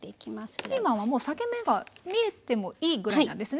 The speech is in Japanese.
ピーマンはもう裂け目が見えてもいいぐらいなんですね。